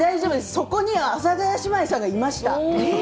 そこには阿佐ヶ谷姉妹さんがいました。